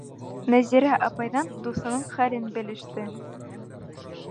Нәзирә апайҙан дуҫының хәлен белеште.